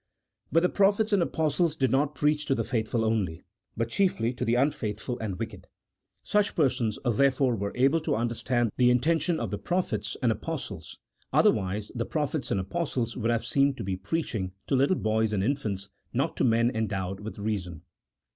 But the prophets and apostles did not preach to the faithful only, but chiefly to the unfaithful and wicked. Such persons, therefore, were able to understand the intention of the prophets and apostles, otherwise the prophets and apostles would have seemed to be preaching to little boys and infants, not to men endowed with reason.